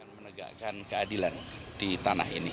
menegakkan keadilan di tanah ini